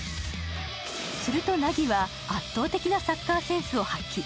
すると、凪は圧倒的なサッカーセンスを発揮。